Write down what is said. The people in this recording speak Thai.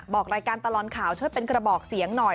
บอกรายการตลอดข่าวช่วยเป็นกระบอกเสียงหน่อย